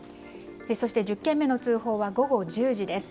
そして１０件目の通報は午後１０時です。